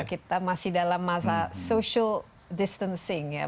kita masih dalam masa social distancing ya